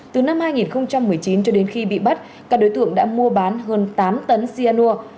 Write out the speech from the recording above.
từ năm hai nghìn một mươi chín cho đến khi bị bắt các đối tượng đã mua bán hơn tám tấn xianur